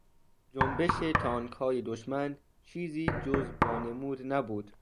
جنبش تانکهای دشمن چیزی جز وانمود نبود.